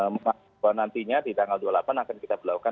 mengatakan bahwa nantinya di tanggal dua puluh delapan akan kita berlakukan